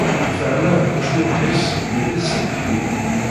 Fehmeɣ deg ucmumeḥ-is belli tsameḥ-iyi.